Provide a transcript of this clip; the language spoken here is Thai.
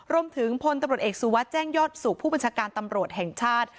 พลตำรวจเอกสุวัสดิ์แจ้งยอดสุขผู้บัญชาการตำรวจแห่งชาติ